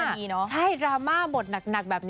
ขอบคุณครับพี่แจ้ครับ